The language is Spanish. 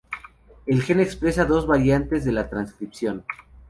El gen expresa dos variantes de la transcripción.